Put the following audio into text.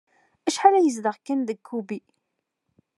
Acḥal ay yezdeɣ Ken deg Kobe?